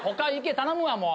頼むわもう。